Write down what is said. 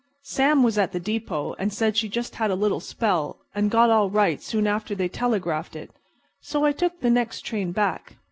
Sam was at the depot, and said she just had a little spell, and got all right soon after they telegraphed. So I took the next train back.